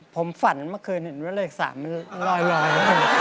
ผมฝันเมื่อคืนเห็นว่าเลข๓มันลอยนะ